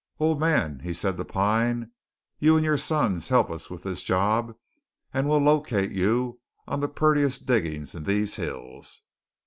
Old man," he said to Pine, "you and yore sons help us with this job, and we'll locate you on the purtiest diggings in these hills."